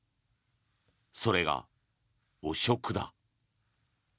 それが汚職だ。